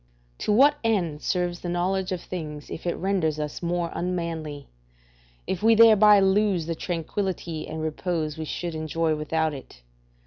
To what end serves the knowledge of things if it renders us more unmanly? if we thereby lose the tranquillity and repose we should enjoy without it?